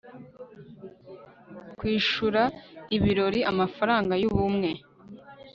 kwishura ibirori, amafaranga yubumwe